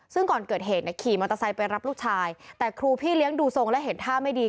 ซึ่งก่อนเกิดเหตุเนี่ยขี่มอเตอร์ไซค์ไปรับลูกชายแต่ครูพี่เลี้ยงดูทรงและเห็นท่าไม่ดี